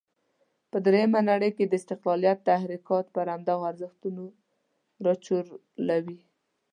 په درېمه نړۍ کې د استقلالیت تحرکات پر همدغو ارزښتونو راچورلوي.